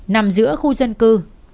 nằm giữa khu dân cư